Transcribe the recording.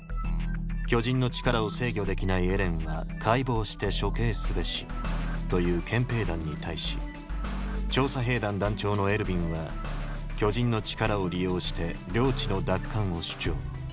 巨人の力を制御できないエレンは解剖して処刑すべしという憲兵団に対し調査兵団団長のエルヴィンは巨人の力を利用して領地の奪還を主張。